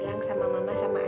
terus silakan duduk duduk